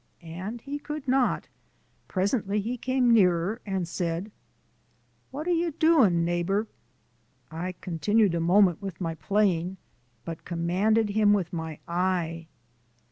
And he could not; presently he came nearer and said: "What are you doing, neighbour?" I continued a moment with my playing, but commanded him with my eye.